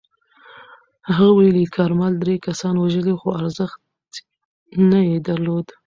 هغه ویلي، کارمل درې کسان وژلي خو ارزښت نه یې درلود.